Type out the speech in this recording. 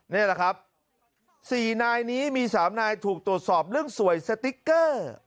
นี่แหละครับ๔นายนี้มี๓นายถูกตรวจสอบเรื่องสวยสติ๊กเกอร์